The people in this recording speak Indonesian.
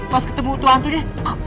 pas ketemu tuh hantunya